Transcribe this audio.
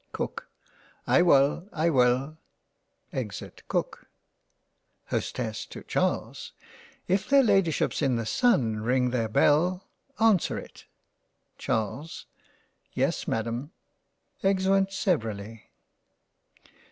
Cook) I wull, I wull. exit Cook. Hostess to Charles) If their Ladyships in the Sun ring their Bell — answer it. Charles) Yes Madam. Exeunt Severally.